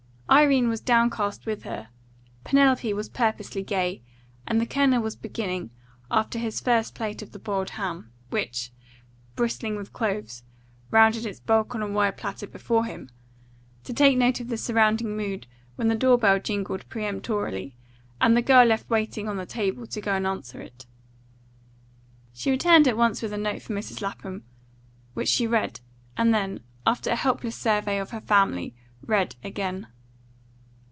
Irene was downcast with her; Penelope was purposely gay; and the Colonel was beginning, after his first plate of the boiled ham, which, bristling with cloves, rounded its bulk on a wide platter before him, to take note of the surrounding mood, when the door bell jingled peremptorily, and the girl left waiting on the table to go and answer it. She returned at once with a note for Mrs. Lapham, which she read, and then, after a helpless survey of her family, read again.